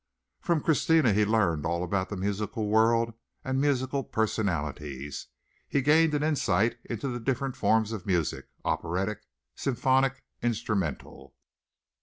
From Christina he learned all about the musical world and musical personalities. He gained an insight into the different forms of music, operatic, symphonic, instrumental.